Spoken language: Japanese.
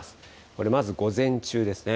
これまず午前中ですね。